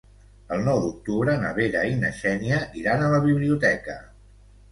El nou d'octubre na Vera i na Xènia iran a la biblioteca.